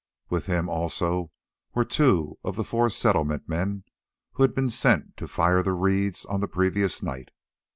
With him also were two of the four Settlement men who had been sent to fire the reeds on the previous night.